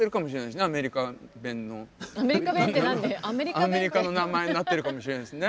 アメリカの名前になってるかもしれないですね。